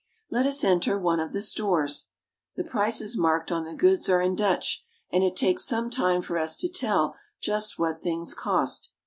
Let us enter one of the stores. The prices marked on the goods are in Dutch, and it takes some time for us to tell just what things cost.